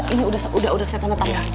ini udah saya tanda tau ya